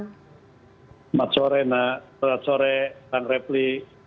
selamat sore nak selamat sore bang repli